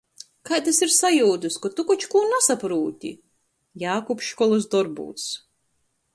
Kaidys ir sajiutys, kod tu koč kū nasaprūti? Jākubs školys dorbūs.